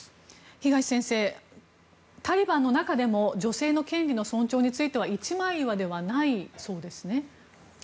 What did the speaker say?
東先生、タリバンの中でも女性の権利の尊重については一枚岩ではないそうですね。